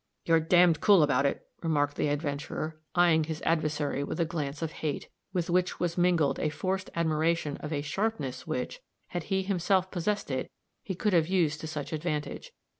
"You're d d cool about it," remarked the adventurer, eying his adversary with a glance of hate, with which was mingled a forced admiration of a "sharpness" which, had he himself possessed it, he could have used to such advantage.